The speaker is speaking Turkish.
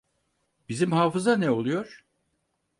Bizim Hafız’a ne oluyor?